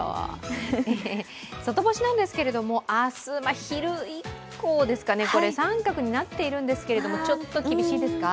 外干しなんですけれども明日昼以降、△になってるんですがちょっと厳しいですか。